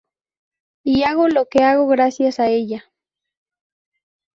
Y hago lo que hago gracias a ella.